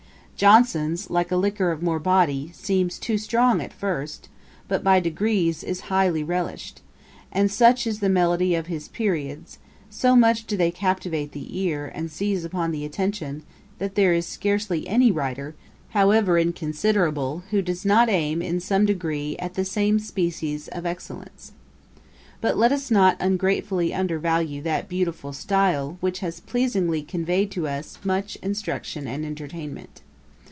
Johnson's, like a liquor of more body, seems too strong at first, but, by degrees, is highly relished; and such is the melody of his periods, so much do they captivate the ear, and seize upon the attention, that there is scarcely any writer, however inconsiderable, who does not aim, in some degree, at the same species of excellence. But let us not ungratefully undervalue that beautiful style, which has pleasingly conveyed to us much instruction and entertainment.